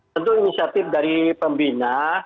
tentu inisiatif dari pembina